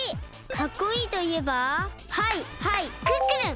かっこいいといえばはいはいクックルン！